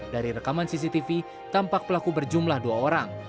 dari rekaman cctv tampak pelaku berjumlah dua orang